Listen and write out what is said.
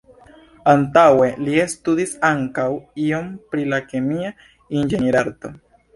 Antaŭe, li studis ankaŭ iom pri la Kemia Inĝenierarto.